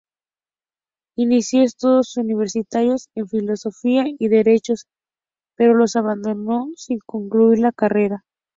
Inició estudios universitarios en Filosofía y Derecho pero los abandonó sin concluir la carrera.